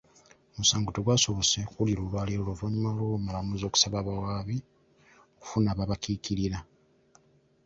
Omusango tegwasobose kuwulirwa olwaleero oluvannyuma lw’omulamuzi okusaba abawaabi okufuna ababakiikirira.